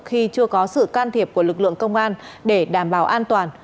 khi chưa có sự can thiệp của lực lượng công an để đảm bảo an toàn